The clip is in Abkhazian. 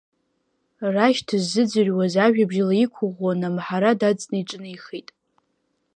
Рашь дыззыӡырҩуаз ажәабжь лаиқәыӷәӷәан, амҳара дадҵны иҿынеихеит…